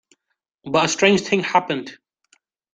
But a strange thing happened.